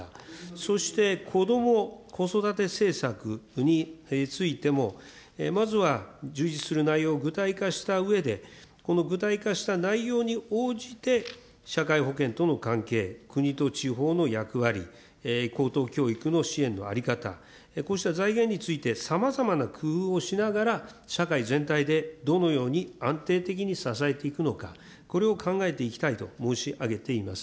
そして、こども・子育て政策についても、まずは充実する内容を具体化したうえで、この具体化した内容に応じて、社会保険との関係、国と地方の役割、高等教育の支援の在り方、こうした財源について、さまざまな工夫をしながら社会全体でどのように安定的に支えていくのか、これを考えていきたいと申し上げています。